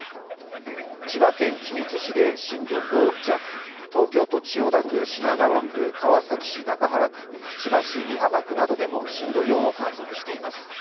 千葉県君津市で震度５弱東京都千代田区、品川区、川崎市中原区、千葉市美浜区などでも震度４を観測しています。